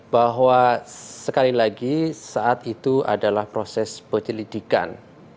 bahwa sekali lagi saat itu adalah proses penyelidikan